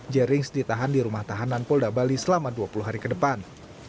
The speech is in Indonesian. jerings ditahan di rumah tahanan polda bali selama dua puluh hari ke depan